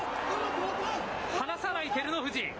離さない、照ノ富士。